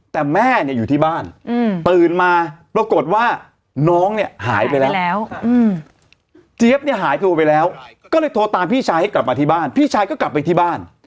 แต่แม่เนี่ยอยู่ที่บ้านตื่นมาปรากฏว่าน้องเนี่ยหายไปแล้วเจี๊ยบเนี่ยหายตัวไปแล้วก็เลยโทรตามพี่ชายให้กลับมาที่บ้านพี่ชายก็กลับไปที่บ้าน